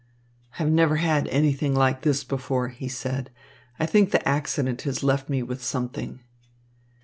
"I have never had anything like this before," he said. "I think the accident has left me with something."